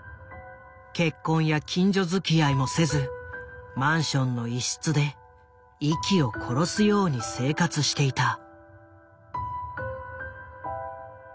結婚や近所づきあいもせずマンションの一室で息を殺すように生活していた。